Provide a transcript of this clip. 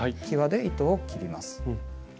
きわで糸を切ります。